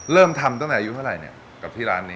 เริ่มทำตั้งแต่อายุเท่าไหร่เนี่ยกับที่ร้านนี้